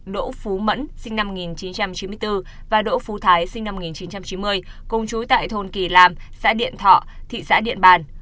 đỗ phú mẫn và đỗ phú thái công chú tại thôn kỳ làm xã điện thọ thị xã điện bàn